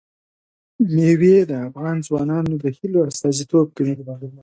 مېوې د افغان ځوانانو د هیلو استازیتوب کوي.